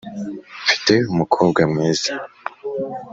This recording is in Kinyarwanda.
mfite umukobwa mwiza,